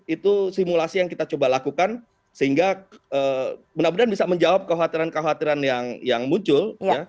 itu simulasi yang kita coba lakukan sehingga mudah mudahan bisa menjawab kekhawatiran kekhawatiran yang muncul